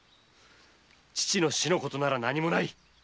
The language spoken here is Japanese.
父の死のことなら何もない！